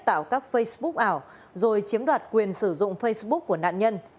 tạo các facebook ảo rồi chiếm đoạt quyền sử dụng facebook của nạn nhân